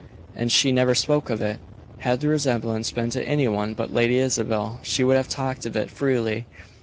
And she never spoke of it; had the resemblance been to any one but Lady Isabel she would have talked of it freely.